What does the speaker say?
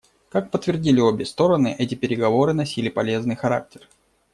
Как подтвердили обе стороны, эти переговоры носили полезный характер.